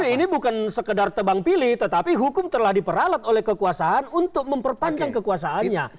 ini bukan sekedar tebang pilih tetapi hukum telah diperalat oleh kekuasaan untuk memperpanjang kekuasaannya